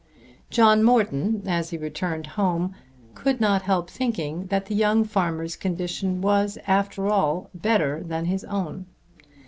John Morton, as he returned home, could not help thinking that the young farmer's condition was after all better than his own.